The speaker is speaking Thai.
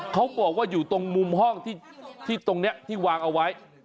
เขาบอกว่าอยู่ตรงมุมห้องที่ตรงนี้ที่วางเอาไว้